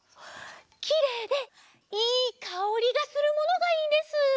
きれいでいいかおりがするものがいいんです。